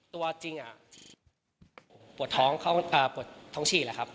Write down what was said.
ตัวจริงปวดท้องปวดท้องฉี่แหละครับ